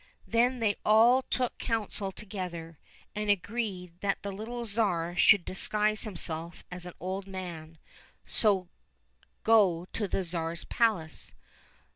Then they all took council together, and agreed that the little Tsar should disguise himself as an old man, and so go to the Tsar's palace.